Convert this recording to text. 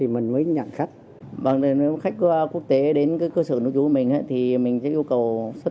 mình mới nhận khách nếu khách quốc tế đến cơ sở nước chú mình thì mình sẽ yêu cầu xuất